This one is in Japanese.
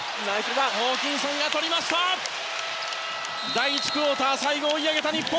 第１クオーター最後、追い上げた日本。